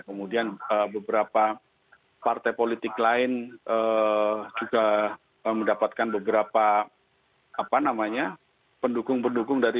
kemudian beberapa partai politik lain juga mendapatkan beberapa pendukung pendukung dari